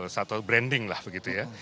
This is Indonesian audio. satu branding lah begitu ya